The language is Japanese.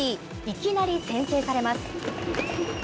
いきなり先制されます。